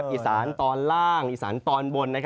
อีสานตอนล่างอีสานตอนบน